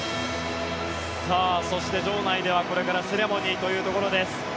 そして、場内ではこれからセレモニーというところです。